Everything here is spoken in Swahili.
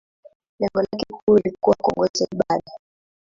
Kama kiongozi wa ibada, lengo lake kuu lilikuwa kuongoza ibada.